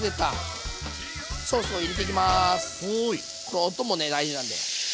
この音もね大事なんで。